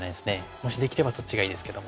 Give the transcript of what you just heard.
もしできればそっちがいいですけども。